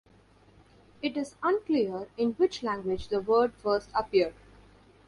It is unclear in which language the word first appeared.